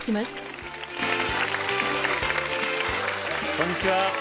こんにちは